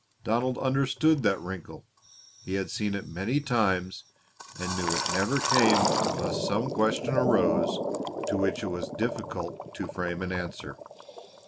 Donald understood that wrinkle; he had seen it many times and knew it never came unless some question arose to which it was difficult to frame an answer.